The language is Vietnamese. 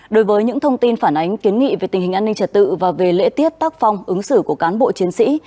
đối với những thông tin phản ánh kiến nghị về tình hình an ninh trật tự và về lễ tiết tác phong ứng xử của cán bộ chiến sĩ